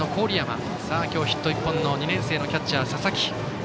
バッターは、今日ヒット１本の２年生のキャッチャー、佐々木。